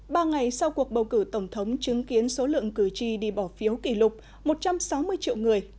ba ngày sau cuộc bầu cử tổng thống chứng kiến số lượng cử tri đi bỏ phiếu kỷ lục một trăm sáu mươi triệu người